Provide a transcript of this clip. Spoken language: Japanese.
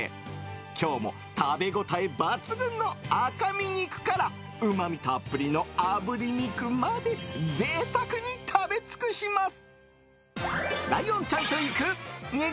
今日も、食べ応え抜群の赤身肉からうまみたっぷりのあぶり肉まで贅沢に食べ尽くします。